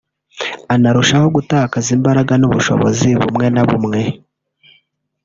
unarushaho gutakaza imbaraga n’ubushobozi bumwe na bumwe